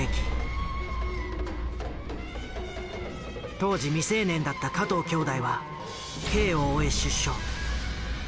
当時未成年だった加藤兄弟は刑を終え出所。